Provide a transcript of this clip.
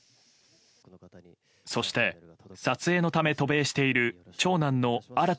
そして、撮影のため渡米している長男の新田